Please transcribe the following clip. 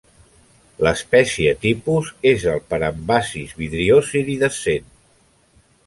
L'espècie tipus és el parambassis vidriós iridescent.